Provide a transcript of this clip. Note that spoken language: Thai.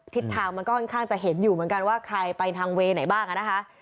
ทิศทางมันก็ค่อนข้างจะเห็นอยู่เหมือนกันว่าใครไปทางเวย์ไหนบ้างนะคะ